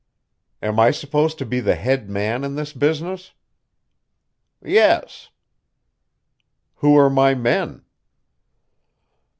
"Am I supposed to be the head man in this business?" "Yes." "Who are my men?"